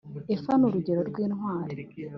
Efa ni urugero rw intwari